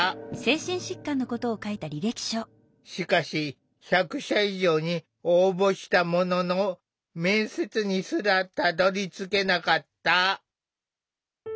しかし１００社以上に応募したものの面接にすらたどりつけなかった。